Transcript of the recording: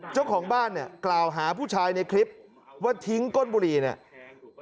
เจ้าของบ้านเนี่ยกล่าวหาผู้ชายในคลิปว่าทิ้งก้นบุหรี่เนี่ย